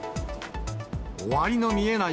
終わりの見えない